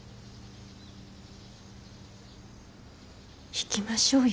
行きましょうよ。